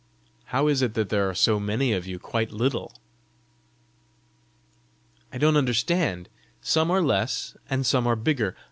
"How is it there are so many of you quite little?" "I don't understand. Some are less and some are bigger.